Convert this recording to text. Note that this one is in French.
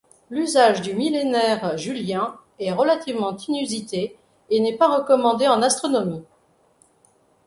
L'usage du millénaire julien est relativement inusité et n'est pas recommandé en astronomie.